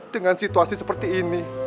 dengan situasi seperti ini